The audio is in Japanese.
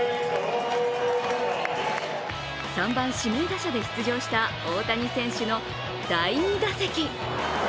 ３番・指名打者で出場した大谷選手の第２打席。